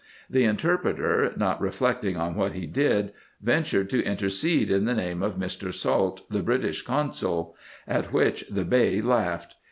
The in terpreter, not reflecting on what he did, ventured to intercede in the name of Mr. Salt, the British consul ; at which the Bey laughed.